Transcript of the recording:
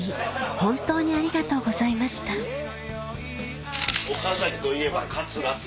本当にありがとうございました岡崎といえば桂って。